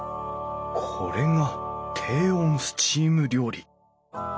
これが低温スチーム料理